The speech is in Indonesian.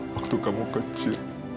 waktu kamu kecil